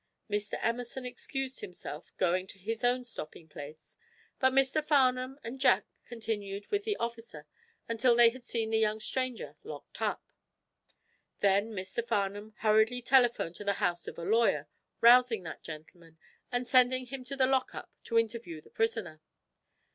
Mr. Emerson excused himself, going to his own stopping place, but Mr. Farnum and Jack continued with the officer until they had seen the young stranger locked up. Then Mr. Farnum hurriedly telephoned to the house of a lawyer, rousing that gentleman, and sending him to the lock up to interview the prisoner.